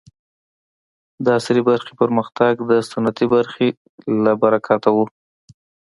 د عصري برخې پرمختګ د سنتي برخې له برکته و.